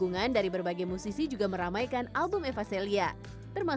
dukungan dari berbagai musisi juga meramaikan album eva celia termasuk sang ayah indra lesmana